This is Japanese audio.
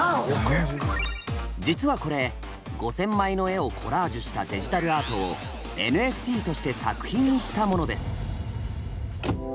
実はこれ５，０００枚の絵をコラージュしたデジタルアートを「ＮＦＴ」として作品にしたものです。